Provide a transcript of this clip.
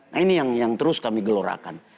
nah ini yang terus kami gelorakan